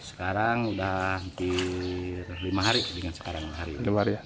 sekarang udah hampir lima hari